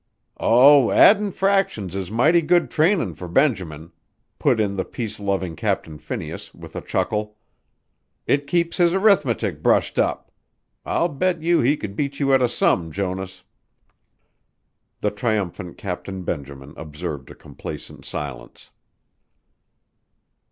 "Oh, addin' fractions is mighty good trainin' for Benjamin," put in the peace loving Captain Phineas, with a chuckle. "It keeps his arithmetic brushed up. I'll bet you he could beat you at a sum, Jonas." The triumphant Captain Benjamin observed a complacent silence.